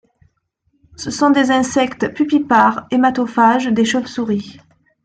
Ce sont des insectes pupipares hématophages des Chauves-souris.